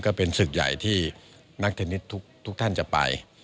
ก็เป็นศึกใหญ่ที่นักเทนนิสทุกท่านจะไป